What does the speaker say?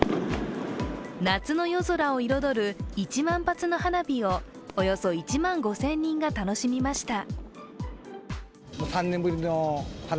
夏の夜空を彩る１万発の花火をおよそ１万５０００人が楽しみました。